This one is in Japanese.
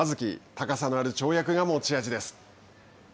高さのある跳躍が持ち味です。